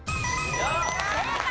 正解！